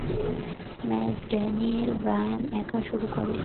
Match Daniel Bryan একা শুরু করে।